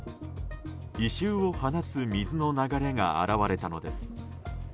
異臭を放つ水の流れが現れたのです。